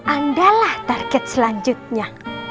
andalah target selanjutnya